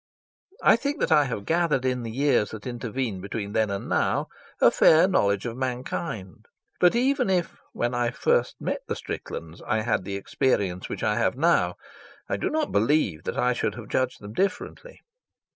I think that I have gathered in the years that intervene between then and now a fair knowledge of mankind, but even if when I first met the Stricklands I had the experience which I have now, I do not believe that I should have judged them differently.